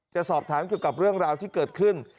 จะสอบถามเกี่ยวกับเรื่องราวที่เกิดขึ้น